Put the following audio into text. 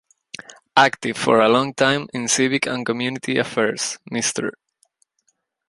Active for a long time in civic and community affairs, Mr.